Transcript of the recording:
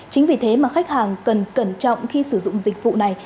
chính vì thế mà khách hàng cần cẩn trọng khi sử dụng dịch vụ này